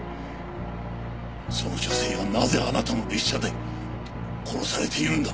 その女性がなぜあなたの列車で殺されているんだ！？